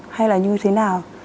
hay là như thế nào